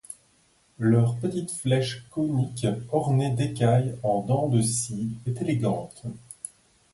Leur petite flèche conique, ornée d'écailles en dents de scie, est élégante.